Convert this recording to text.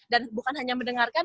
dan bukan hanya mendengarkan